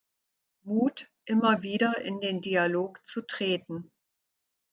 Mut, immer wieder in den Dialog zu treten.